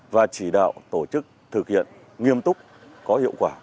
và chỉ đạo tổ chức thực hiện nghiêm túc có hiệu quả